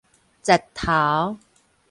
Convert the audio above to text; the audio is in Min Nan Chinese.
實頭